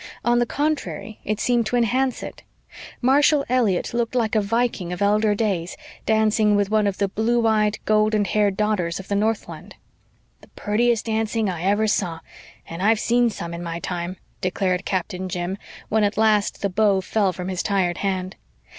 On the contrary, it seemed to enhance it. Marshall Elliott looked like a Viking of elder days, dancing with one of the blue eyed, golden haired daughters of the Northland. "The purtiest dancing I ever saw, and I've seen some in my time," declared Captain Jim, when at last the bow fell from his tired hand.